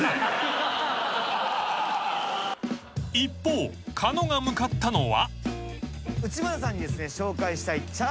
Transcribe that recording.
［一方狩野が向かったのは］